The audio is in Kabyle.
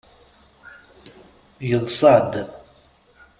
Yeḍsa-d.